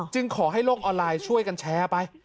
ขอให้โลกออนไลน์ช่วยกันแชร์ไป